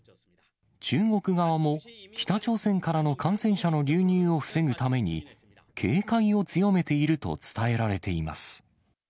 中国側も、北朝鮮からの感染者の流入を防ぐために、警戒を強めていると伝えられています。